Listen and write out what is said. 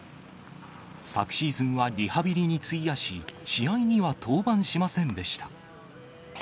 昨シーズンはリハビリに費やし、試合には登板しませんでした。